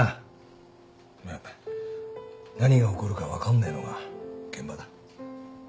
まあ何が起こるか分かんねえのが現場だ。